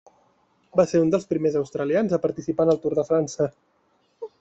Va ser un dels primers australians a participar en el Tour de França.